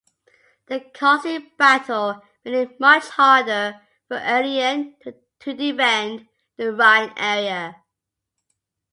The costly battle made it much harder for Aurelian to defend the Rhine area.